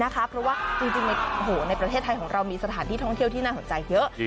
เพราะว่าจริงในประเทศไทยของเรามีสถานที่ท่องเที่ยวที่น่าสนใจเยอะ